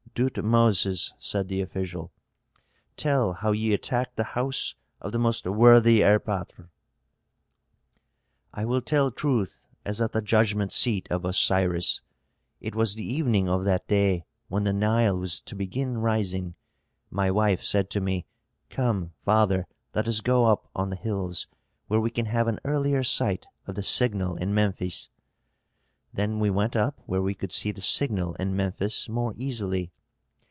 "Dutmoses," said the official, "tell how ye attacked the house of the most worthy erpatr." "I will tell truth, as at the judgment seat of Osiris. It was the evening of that day when the Nile was to begin rising. My wife said to me, 'Come, father, let us go up on the hills, where we can have an earlier sight of the signal in Memphis.' Then we went up where we could see the signal in Memphis more easily.